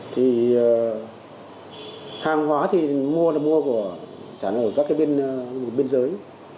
thì hàng hóa thì mua là mua của các bên giới